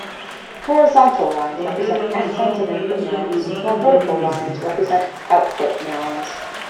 Horizontal lines represent axons of input neurons while vertical lines represent output neurons.